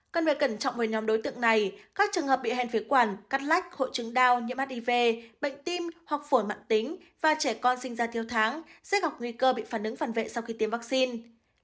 cần phải cẩn trọng với nhóm đối tượng này các trường hợp bị hèn phế quản cắt lách hội chứng đau nhiễm hiv bệnh tim hoặc phổi mạng tính và trẻ con sinh ra thiếu tháng sẽ gặp nguy cơ bị phản ứng phản vệ sau khi tiêm vaccine